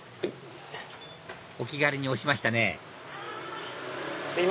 お気軽に押しましたねはい！